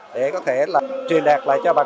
để có thể truyền đạt lại cho bạn